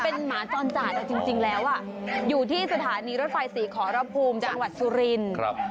เป็นหมาจรจัดจริงแล้วอยู่ที่สถานีรถไฟศรีขอระภูมิจังหวัดสุรินทร์